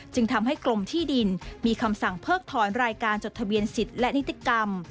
จึงทำให้กรมที่ดินมีคำสั่งเพิกถอนรายการจดทะเบียนสิทธิ์และนิติกรรม